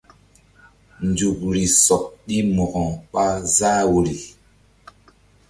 Nzukri sɔɓ ɗi Mo̧ko ɓa záh woyri.